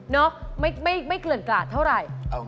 ไม่เกลื่อนกราดเท่าไหร่